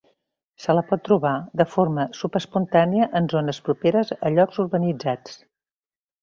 Se la pot trobar de forma subespontània en zones properes llocs a urbanitzats.